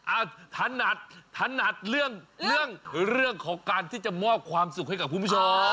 ถนัดถนัดเรื่องเรื่องของการที่จะมอบความสุขให้กับคุณผู้ชม